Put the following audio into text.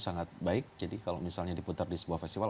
sangat baik jadi kalau misalnya diputar di sebuah festival